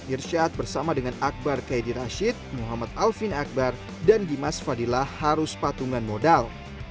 irsyad bersama dengan akbar kaya di rashid muhammad alvin akbar dan dimas fadilah harus patungan modal